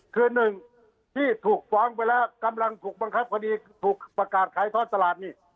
คือหนึ่งที่ถูกฟ้องไปแล้วกำลังถูกบังคับคดีถูกประกาศขายทอดตลาดนี่